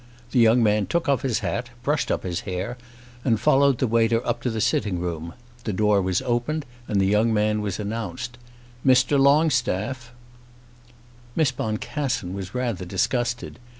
The young man took off his hat, brushed up his hair, and followed the waiter up to the sitting room. The door was opened and the young man was announced. "Mr. Longstaff." Miss Boncassen was rather disgusted.